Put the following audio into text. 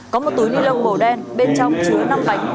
có một túi li lông màu đen bên trong chứa năm cạnh